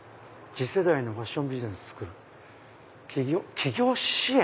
「次世代のファッションビジネスを創る起業支援」。